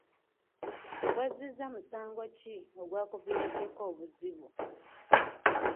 Wazzizza musango ki ogwakuviiriddeko obuzibu?